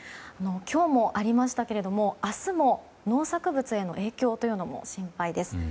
今日もありましたけど明日も農作物への影響というのも心配です。